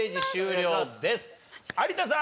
有田さん！